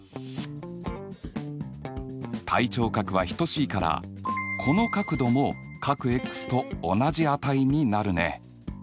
対頂角は等しいからこの角度も∠ｘと同じ値になるね。